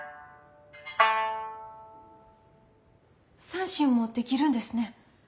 三線もできるんですね。